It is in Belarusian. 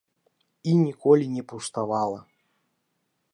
І ніколі не пуставала.